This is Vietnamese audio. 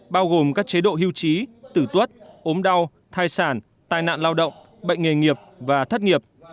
bao gồm các chế độ hưu trí tử tuất ốm đau thai sản tai nạn lao động bệnh nghề nghiệp và thất nghiệp